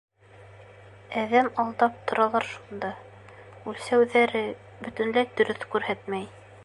Әҙәм алдап торалар шунда, үлсәүҙәре бөтөнләй дөрөҫ күрһәтмәй.